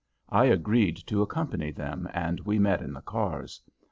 I agreed to accompany them, and we met in the cars.